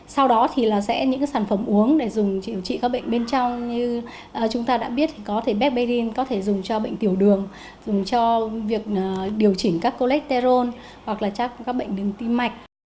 sau đó thì là sẽ những sản phẩm uống để dùng điều trị các bệnh bên trong như chúng ta đã biết có thể becberin có thể dùng cho bệnh tiểu đường dùng cho việc điều chỉnh các colecter hoặc là các bệnh đường tim mạch